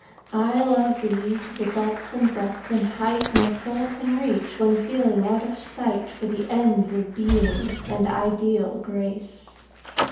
I love thee to the depth and breadth and height My soul can reach, when feeling out of sight For the ends of Being and ideal Grace.